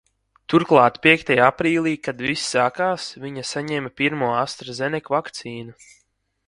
Turklāt piektajā aprīlī, kad viss sākās, viņa saņēma pirmo Astra Zenek vakcīnu.